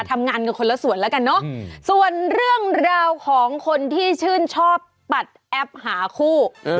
ทำงานกันคนละส่วนแล้วกันเนอะส่วนเรื่องราวของคนที่ชื่นชอบปัดแอปหาคู่